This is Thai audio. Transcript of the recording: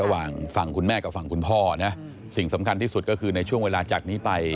ระหว่างฝั่งคุณแม่กับฝั่งคุณพ่อนะสิ่งสำคัญที่สุดก็คือในช่วงเวลาจากนี้ไป